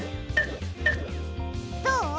どう？